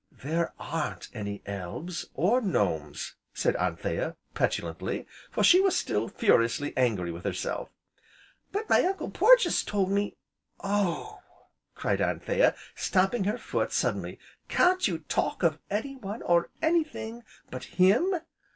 "There aren't any elves, or gnomes," said Anthea petulantly, for she was still furiously angry with herself. "But my Uncle Porges told me " "Oh!" cried Anthea, stamping her foot suddenly, "can't you talk of anyone, or anything but him?